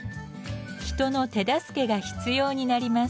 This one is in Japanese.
人の手助けが必要になります。